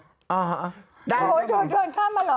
โอ้โฮเดินข้าวมาเหรอ